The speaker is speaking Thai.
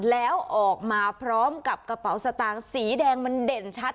แล้วออกมาพร้อมกับกระเป๋าสตางค์สีแดงมันเด่นชัด